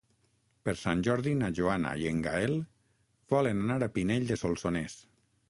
Per Sant Jordi na Joana i en Gaël volen anar a Pinell de Solsonès.